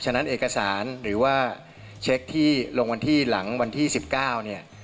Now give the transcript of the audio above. ฉะนั้นเอกสารหรือว่าเช็คที่ลงวันที่หลังวันที่๑๙เนี่ย